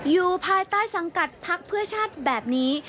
อยู่ภายใต้สังกัดพักเพื่อชาติแบบนี้